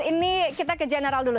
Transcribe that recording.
ini kita ke general dulu